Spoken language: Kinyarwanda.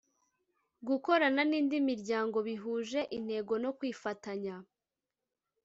gukorana n indi miryango bihuje intego no kwifatanya